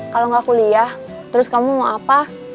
kalau nggak kuliah terus kamu mau apa